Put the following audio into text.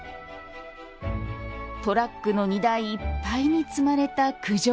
トラックの荷台いっぱいに積まれた九条